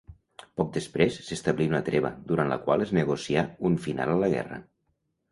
Poc després s'establí una treva durant la qual es negocià un final a la guerra.